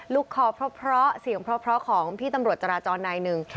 คอเพราะเสียงเพราะของพี่ตำรวจจราจรนายหนึ่ง